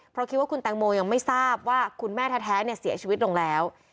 เพราะคิดว่าคุณแตงโมยังไม่ทราบว่าคุณแม่แท้เสียชีวิตลงแล้ว